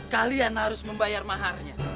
kalian harus membayar maharnya